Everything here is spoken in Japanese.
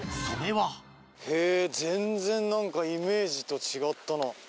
それは］へ全然何かイメージと違ったな。